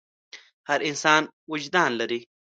هر انسان وجدان لري.